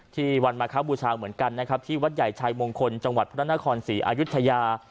ที่วันมาครับบูชาเหมือนกันนะครับที่วัดใหญ่ชายมงคลจังหวัดพระนครศรีอายุทยา